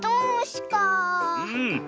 うん。